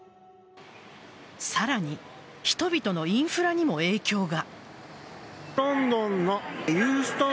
さらに、人々のインフラにも影響が。